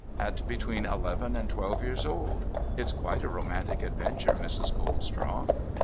At between eleven and twelve years old. It's quite a romantic adventure, Mrs. Goldstraw.'